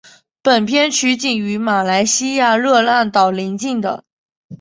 本片取景于马来西亚热浪岛邻近的。